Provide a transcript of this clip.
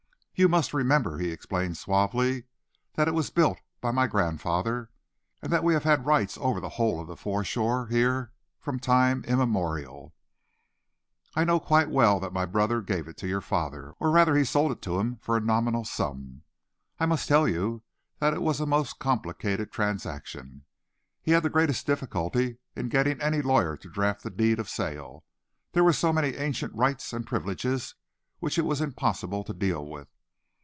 "You must remember," he explained suavely, "that it was built by my grandfather, and that we have had rights over the whole of the foreshore here from time immemorial. I know quite well that my brother gave it to your father or rather he sold it to him for a nominal sum. I must tell you that it was a most complicated transaction. He had the greatest difficulty in getting any lawyer to draft the deed of sale. There were so many ancient rights and privileges which it was impossible to deal with.